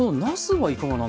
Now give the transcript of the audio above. はい。